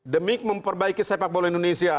demi memperbaiki sepak bola indonesia